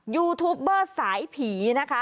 ยูทูปเบอร์สายผีนะคะ